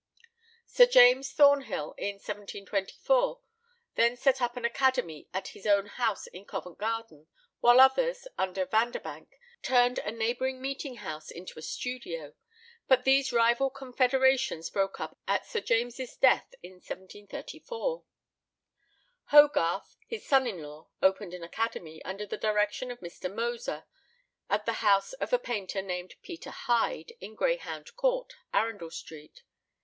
Sir James Thornhill, in 1724, then set up an academy at his own house in Covent Garden, while others, under Vanderbank, turned a neighbouring meeting house into a studio; but these rival confederations broke up at Sir James's death in 1734. Hogarth, his son in law, opened an academy, under the direction of Mr. Moser, at the house of a painter named Peter Hyde, in Greyhound Court, Arundel Street.